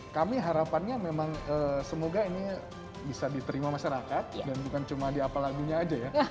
kami harapannya memang semoga ini bisa diterima masyarakat dan bukan cuma di apa lagunya aja ya